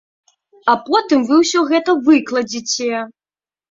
А потым вы ўсё гэта выкладзеце!